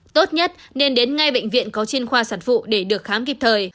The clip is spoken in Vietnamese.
tốt nhất nên đến ngay bệnh viện có chuyên khoa sản phụ để được khám kịp thời